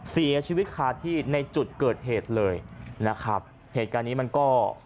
เสียชีวิตคาที่ในจุดเกิดเหตุเลยนะครับเหตุการณ์นี้มันก็